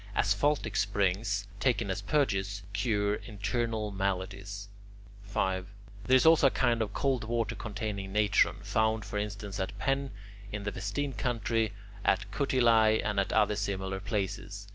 Asphaltic springs, taken as purges, cure internal maladies. 5. There is also a kind of cold water containing natron, found for instance at Penne in the Vestine country, at Cutiliae, and at other similar places.